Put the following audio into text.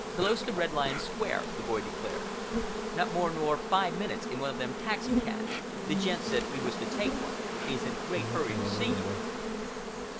"Close to Red Lion Square," the boy declared. "Not more nor five minutes in one of them taxicabs. The gent said we was to take one. He is in a great hurry to see you."